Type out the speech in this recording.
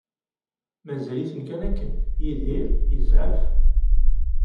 Mazal-iten kan akken Yidir yezɛef.